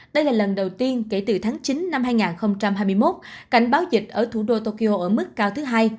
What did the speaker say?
đây là lần đầu tiên kể từ tháng chín năm hai nghìn hai mươi một cảnh báo dịch ở thủ đô tokyo ở mức cao thứ hai